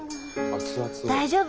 大丈夫？